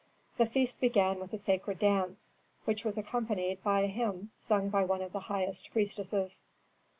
The feast began with a sacred dance, which was accompanied by a hymn sung by one of the highest priestesses.